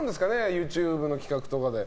ＹｏｕＴｕｂｅの企画とかで。